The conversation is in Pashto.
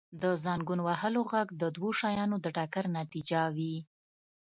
• د زنګون وهلو ږغ د دوو شیانو د ټکر نتیجه وي.